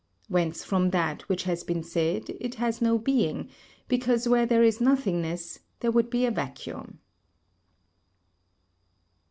Whence from that which has been said, it has no being, because where there is nothingness there would be a vacuum.